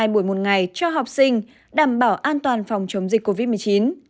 hai buổi một ngày cho học sinh đảm bảo an toàn phòng chống dịch covid một mươi chín